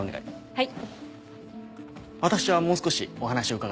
はい。